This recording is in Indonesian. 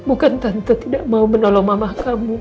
bukan tante tidak mau menolong mama kamu